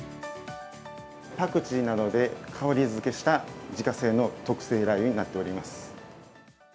パクチーなどで香りづけした自家製の特製ラー油になっております。